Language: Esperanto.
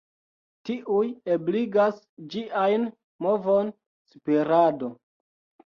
Tiuj ebligas ĝiajn movon, spirado.